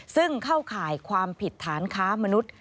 ซึ่งเข้าข่ายความผิดฐานค้ามนุษย์